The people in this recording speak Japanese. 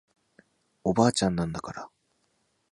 おばあちゃんなんだから